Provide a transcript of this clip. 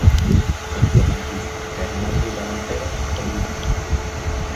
Centrocampista: Fernando y delantero, Oliva.